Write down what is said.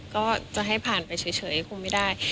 ก็จะให้ผ่านไปเฉยคงไม่ได้